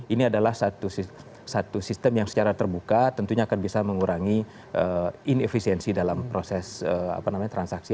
ini adalah satu sistem yang secara terbuka tentunya akan bisa mengurangi inefisiensi dalam proses transaksi